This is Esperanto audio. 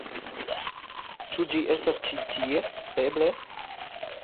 Ĉu ĝi estas ĉi tie? Eble?